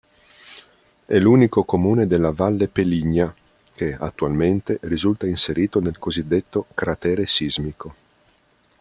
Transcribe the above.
È l'unico comune della Valle Peligna, che, attualmente, risulta inserito nel cosiddetto "cratere sismico".